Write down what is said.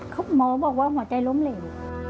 หมอบอกว่าหัวใจล้มเหลว